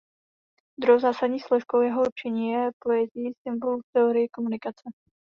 Druhou zásadní složkou jeho učení je pojetí symbolu v teorii komunikace.